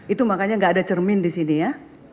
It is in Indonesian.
itu makanya nggak ada cermin di sini ya